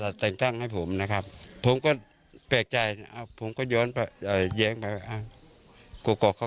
หรือว่าผู้ใหญ่จะต้องเข้าไปพูดคุยที่บ้านนะคะ